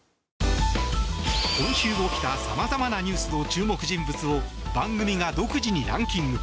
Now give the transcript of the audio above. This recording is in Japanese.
今週起きた様々なニュースの注目人物を番組が独自にランキング。